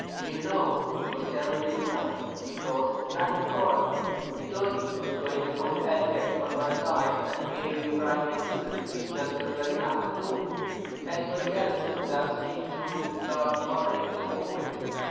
Do you know, he was terribly hurt because you hadn't called. He told me he was going to put etiquette on one side, and pay you a private visit himself this very afternoon." Anybody else could have seen through this plot of mine in a moment.